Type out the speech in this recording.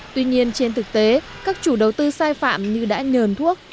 tuy nhiên trên thực tế các chủ đầu tư sai phạm như đã nhờn thuốc